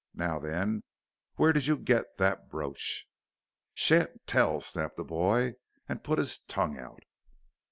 "Now, then, where did you get that brooch?" "Sha'n't tell," snapped the boy, and put his tongue out.